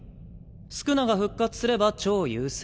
宿儺が復活すれば超優勢。